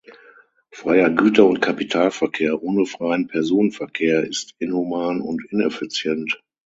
Freier Güter- und Kapitalverkehr ohne freien Personenverkehr ist inhuman und ineffizient.